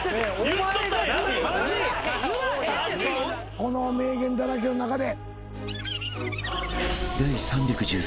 この名言だらけの中で。